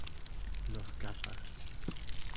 Los Kappa.